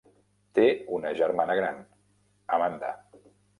Té una germana gran, Amanda.